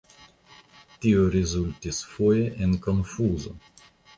Tio rezultis foje en konfuzo.